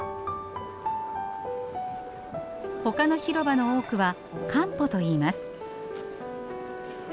ほかの広場の多くはカンポといいます。